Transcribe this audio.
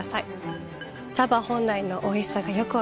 茶葉本来のおいしさがよく分かります。